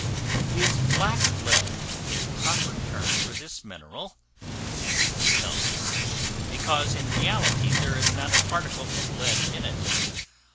Is Black Lead a proper term for this mineral? No; because, in reality, there is not a particle of lead in it.